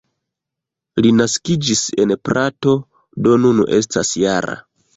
Li naskiĝis en Prato, do nun estas -jara.